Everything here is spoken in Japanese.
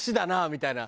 みたいな。